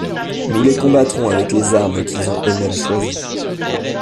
Nous les combattrons avec les armes qu'ils ont eux-mêmes choisies.